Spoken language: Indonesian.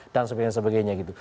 dan sebagainya sebagainya gitu